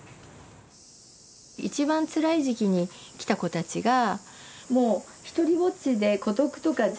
一番つらい時期に来た子たちがもう独りぼっちで孤独とかとはもう全然違うって。